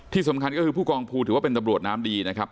ที่สำคัญก็คือผู้กองภูถือว่าเป็นตำรวจน้ำดีนะครับ